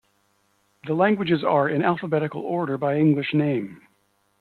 The languages are in alphabetical order by English name.